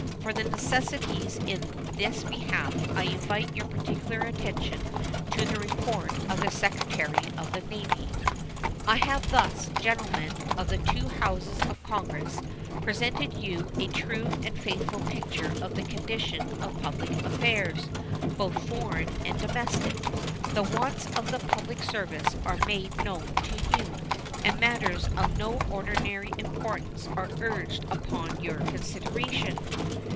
For the necessities in this behalf I invite your particular attention to the report of the Secretary of the Navy. I have thus, gentlemen of the two Houses of Congress, presented you a true and faithful picture of the condition of public affairs, both foreign and domestic. The wants of the public service are made known to you, and matters of no ordinary importance are urged upon your consideration.